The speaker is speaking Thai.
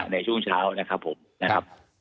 ในช่วงเช้านะครับผมนะครับ